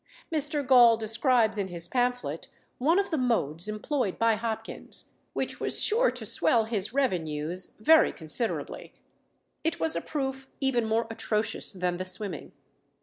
Mr. Gaul describes in his pamphlet one of the modes employed by Hopkins, which was sure to swell his revenues very considerably. It was a proof even more atrocious than the swimming.